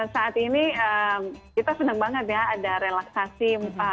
saat ini kita senang banget ya ada relaksasi